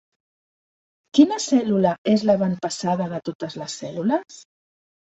Quina cèl·lula és l'avantpassada de totes les cèl·lules?